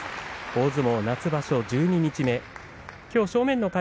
大相撲夏場所、十二日目。